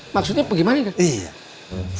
maksudnya pergi mana gan